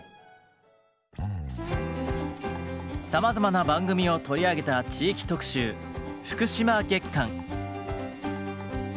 さまざまな番組を取り上げた地域特集福島月間。